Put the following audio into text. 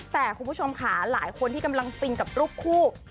แต่คุณผู้ชมค่ะหลายคนที่กำลังฟินกับรูปคู่